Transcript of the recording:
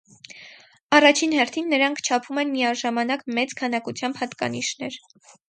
Առաջին հերթին նրանք չափում են միաժամանակ մեծ քանակությամբ հատկանիշներ։